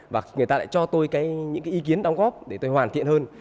và người ta lại cho tôi những cái ý kiến đóng góp để tôi hoàn thiện hơn